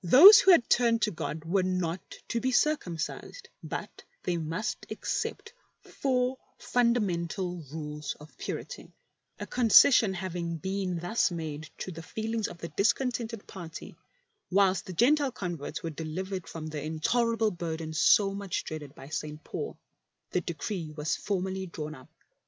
Those who had turned I i: . to God were not to be circumcised, but ;; they must accept four fundamental rules of , purit}^ A concession having been thus made to the feelings of the discontented party, whilst the Gentile converts were delivered from the intolerable burden so much dreaded by St. Paul, the decree was formally drawn up.